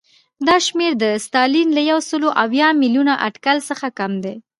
دا شمېر د ستالین له یو سل اویا میلیونه اټکل څخه کم و